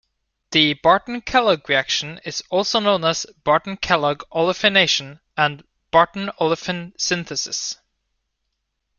The Barton-Kellogg reaction is also known as Barton-Kellogg olefination and Barton olefin synthesis.